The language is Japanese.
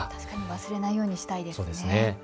忘れようにしたいですね。